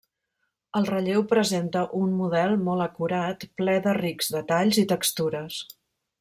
El relleu presenta un model molt acurat, ple de rics detalls i textures.